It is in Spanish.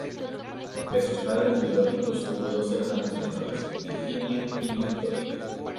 De sus padres biológicos, tuvo dos hermanas menores, Virginia y Victoria.